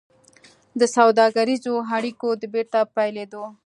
د سوداګريزو اړيکو د بېرته پيلېدو